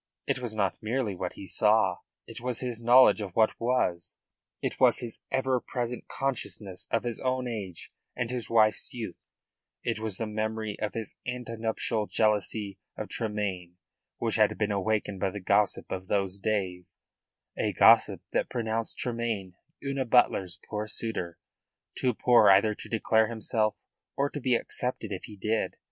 It was not merely what he saw, it was his knowledge of what was; it was his ever present consciousness of his own age and his wife's youth; it was the memory of his ante nuptial jealousy of Tremayne which had been awakened by the gossip of those days a gossip that pronounced Tremayne Una Butler's poor suitor, too poor either to declare himself or to be accepted if he did.